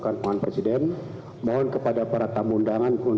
dan wakil presiden republik indonesia